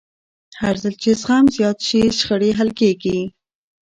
هرځل چې زغم زیات شي، شخړې حل کېږي.